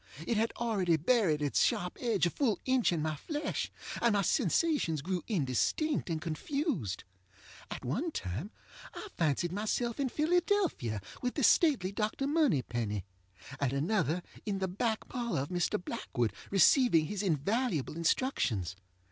It had already buried its sharp edge a full inch in my flesh, and my sensations grew indistinct and confused. At one time I fancied myself in Philadelphia with the stately Dr. Moneypenny, at another in the back parlor of Mr. Blackwood receiving his invaluable instructions.